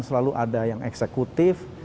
selalu ada yang eksekutif